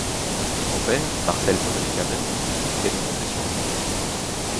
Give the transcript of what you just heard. Son père, Marcel Modrikamen, est de confession juive.